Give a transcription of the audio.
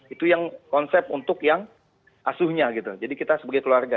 itu yang konsep untuk yang asuhnya gitu jadi kita sebagai keluarga